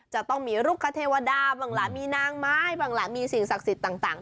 จะต้องมีลูกคเทวดาบ้างล่ะมีนางไม้บ้างล่ะมีสิ่งศักดิ์สิทธิ์ต่าง